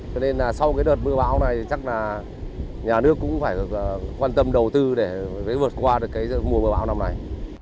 cho nên là sau cái đợt mưa bão này chắc là nhà nước cũng phải được quan tâm đầu tư để vượt qua được cái mùa mưa bão năm nay